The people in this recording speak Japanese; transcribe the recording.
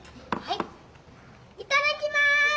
いただきます！